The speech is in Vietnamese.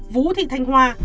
vũ thị thanh hoa